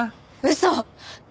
嘘！